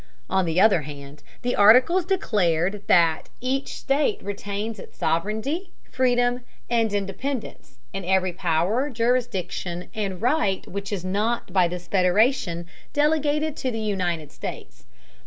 On the other hand, the Articles declared that "each state retains its sovereignty, freedom and independence, and every power, jurisdiction, and right which is not by this federation delegated to the United States."